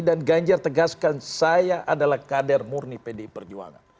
dan ganjar tegaskan saya adalah kader murni pdi perjuangan